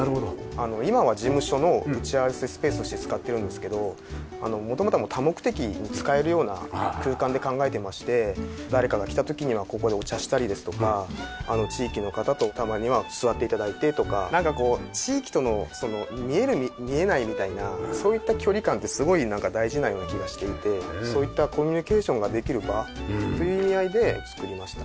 今は事務所の打ち合わせスペースとして使ってるんですけど元々は多目的に使えるような空間で考えてまして誰かが来た時にはここでお茶したりですとか地域の方とたまには座って頂いてとかなんかこう地域との見える見えないみたいなそういった距離感ってすごい大事なような気がしていてそういったコミュニケーションができる場という意味合いで造りました。